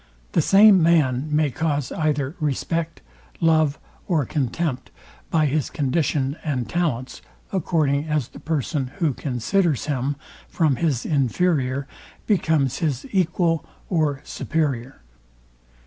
The same man may cause either respect, love, or contempt by his condition and talents, according as the person, who considers him, from his inferior becomes his equal or superior.